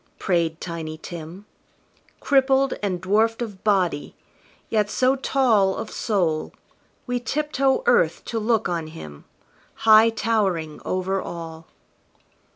prayed Tiny Tim, Crippled, and dwarfed of body, yet so tall Of soul, we tiptoe earth to look on him, High towering over all.